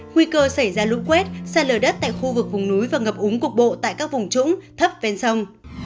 nguy cơ xảy ra lũ quét xa lở đất tại khu vực vùng núi và ngập úng cục bộ tại các vùng trũng thấp ven sông